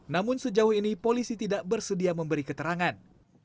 namun sejauh ini polisi tidak bersedia memberi keterangan